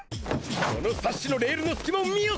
このサッシのレールのすきまを見よ！